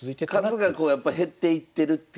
数がやっぱ減っていってるっていう。